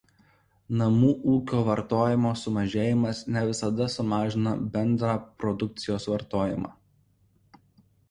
Namų ūkių vartojimo sumažėjimas ne visada sumažina bendrą produkcijos vartojimą.